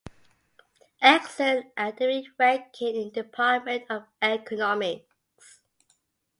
Excellent academic ranking in department of economics.